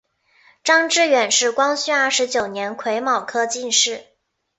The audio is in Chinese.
张智远是光绪二十九年癸卯科进士。